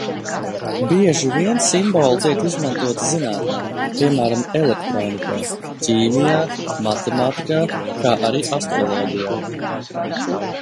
Bieži vien simboli tiek izmantoti zinātnē, piemēram, elektronikā, ķīmijā, matemātikā, kā arī astroloģijā.